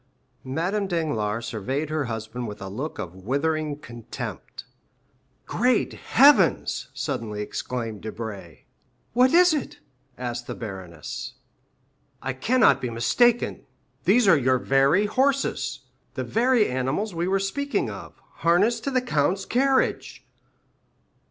Madame Danglars surveyed her husband with a look of withering contempt. "Great heavens?" suddenly exclaimed Debray. "What is it?" asked the baroness. "I cannot be mistaken; there are your horses! The very animals we were speaking of, harnessed to the count's carriage!"